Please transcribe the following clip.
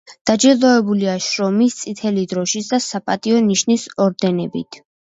დაჯილდოებულია შრომის წითელი დროშის და „საპატიო ნიშნის“ ორდენებით.